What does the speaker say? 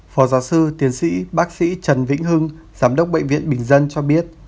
phó giáo sư tiến sĩ bác sĩ trần vĩnh hưng giám đốc bệnh viện bình dân cho biết